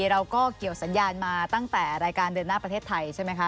เราก็เกี่ยวสัญญาณมาตั้งแต่รายการเดินหน้าประเทศไทยใช่ไหมคะ